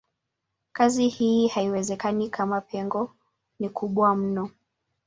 Kazi hii haiwezekani kama pengo ni kubwa mno.